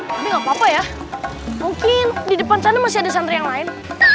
enggak papa ya mungkin di depan sana masih ada santri yang lain